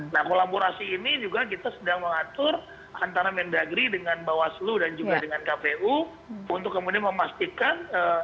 nah kolaborasi ini juga kita sedang mengatur antara mendagri dengan bawaslu dan juga dengan kpu untuk kemudian memastikan